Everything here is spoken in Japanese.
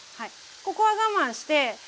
ここは我慢して。